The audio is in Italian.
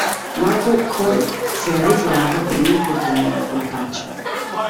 Margaret Court si è ritirata per un infortunio al polpaccio.